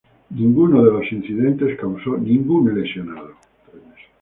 Ninguno de los incidentes causó ningún lesionado.